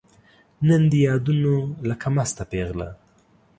نن دي یادونو لکه مسته پیغله